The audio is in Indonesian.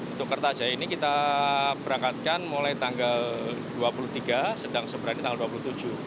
untuk kertajaya ini kita berangkatkan mulai tanggal dua puluh tiga sedang seberani tanggal dua puluh tujuh